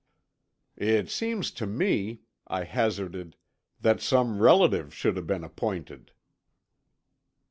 "It seems to me," I hazarded, "that some relative should have been appointed."